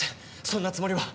そんなつもりは！